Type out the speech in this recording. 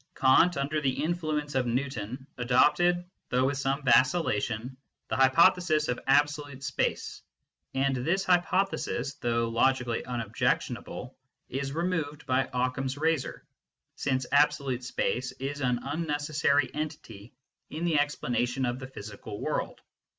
Kant, under the influence of Newton, adopted, though with some vacillation, the hypothesis of absolute space, and this hypothesis, though logically unobjection able, is removed by Occam s razor, since absolute space is an unnecessary entity in the explanation of the physical world.